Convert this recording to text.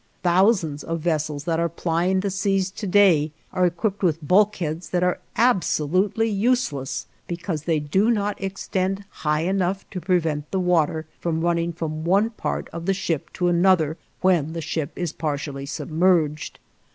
Thousands of vessels that are plying the seas to day are equipped with bulkheads that are absolutely useless because they do not extend high enough to prevent the water from running from one part of the ship to another when the ship is partially submerged.